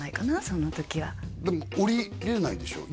その時はでも降りれないでしょ？